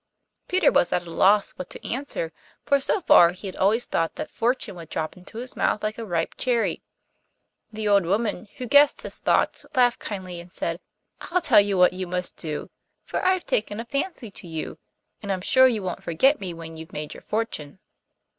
Peter was at a loss what to answer, for so far he had always thought that fortune would drop into his mouth like a ripe cherry. The old woman, who guessed his thoughts, laughed kindly and said, 'I'll tell you what you must do, for I've taken a fancy to you, and I'm sure you won't forget me when you've made your fortune.